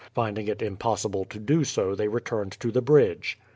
Finding it impossible to do so they returned to the bridge.